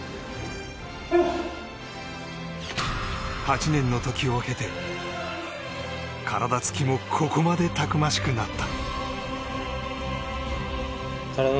８年の時を経て、体付きもここまでたくましくなった。